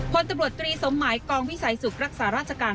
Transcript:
พลตำรวจตรีสมหมายกองวิสัยสุขรักษาราชการ